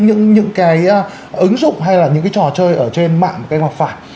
những cái ứng dụng hay là những cái trò chơi ở trên mạng của các em hoặc phải